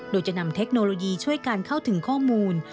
โดยจะนำเทคโนโลยีช่วยการเข้าถึงข้อมูล